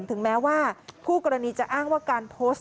ถึงแม้ว่าคู่กรณีจะอ้างว่าการโพสต์